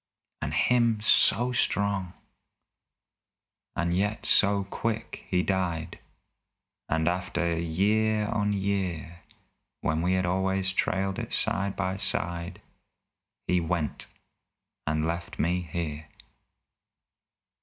And him so strong, and yet so quick he died, And after year on year When we had always trailed it side by side, He went and left me here!